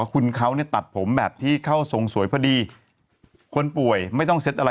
คุณเขาเนี่ยตัดผมแบบที่เข้าทรงสวยพอดีคนป่วยไม่ต้องเซ็ตอะไร